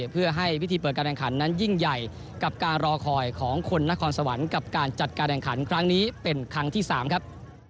เพื่อให้พิธีเปิดการแข่งขันนั้นยิ่งใหญ่กับการรอคอยของคนนครสวรรค์กับการจัดการแข่งขันครั้งนี้เป็นครั้งที่๓ครับ